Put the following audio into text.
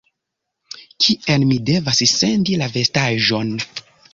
Kien mi devas sendi la vestaĵon?